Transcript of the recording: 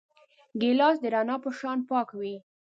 ګیلاس د رڼا په شان پاک وي.